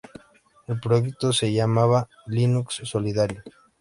El proyecto se llamaba "Linux Solidario.